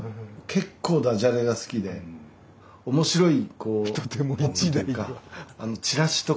結構ダジャレが好きで面白いこうポップというかチラシとかが。